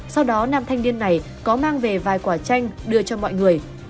sau đó nam thanh niên này có mang về vài quả chanh đưa cho mọi người